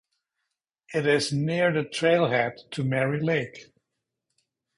It is near the trailhead to Mary Lake.